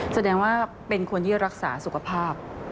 แสดงว่าเป็นคนที่รักษาสุขภาพ